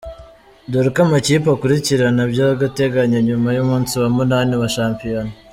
Dore uko amakipe akurikirana by’agateganyo nyuma y’umunsi wa munani wa shampiyona:.